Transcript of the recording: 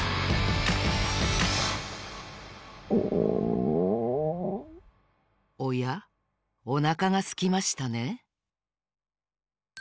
おやおなかがすきましたね。